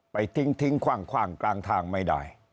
ไปทิ้งคว่างกลางทางไม่ได้